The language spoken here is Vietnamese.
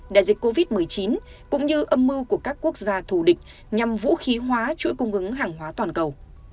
đại dịch covid một mươi chín cũng như âm mưu của các quốc gia thù địch nhằm vũ khí hóa chuỗi cung ứng hàng hóa toàn cầu